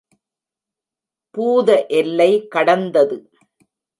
பூத எல்லை கடந்தது.